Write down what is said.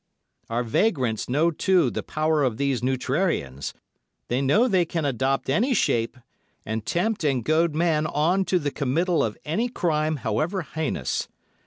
] Our vagrants know, too, the power of these neutrarians, they know they can adopt any shape, and tempt and goad man on to the committal of any crime, however heinous.